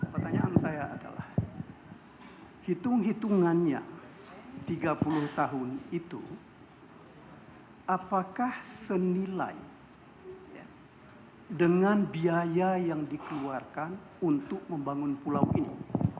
pertanyaan saya adalah hitung hitungannya tiga puluh tahun itu apakah senilai dengan biaya yang dikeluarkan untuk membangun pulau ini